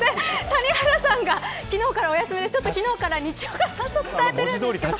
谷原さんが昨日からお休みで昨日から西岡さんと伝えているんですけど。